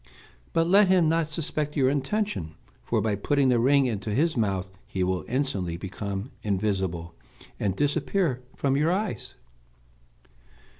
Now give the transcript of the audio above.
But let him not suspect your intention, for by putting the ring into his mouth he will instantly become invisible, and disappear from your eyes."